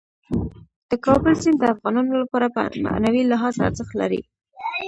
د کابل سیند د افغانانو لپاره په معنوي لحاظ ارزښت لري.